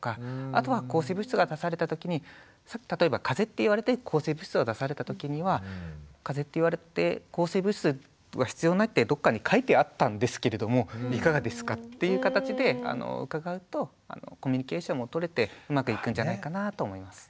あとは抗生物質が出された時に例えばかぜって言われて抗生物質を出された時には「かぜって言われて抗生物質は必要ないってどっかに書いてあったんですけれどもいかがですか？」っていう形で伺うとコミュニケーションも取れてうまくいくんじゃないかなと思います。